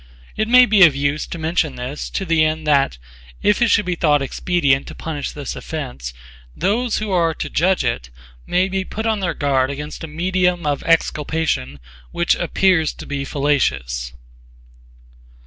It may be of use to mention this to the end that, if it should be thought expedient to punish this offence, those who are to judge it may be put on their guard against a medium of exculpation which appears to be fallacious.